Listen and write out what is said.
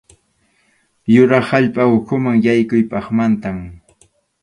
Yurap allpa ukhuman yaykuq phatmantam.